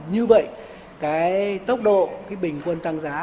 như vậy tốc độ bình quân tăng giá